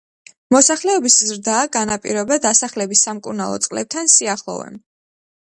მოსახლეობის ზრდა განაპირობა დასახლების სამკურნალო წყლებთან სიახლოვემ.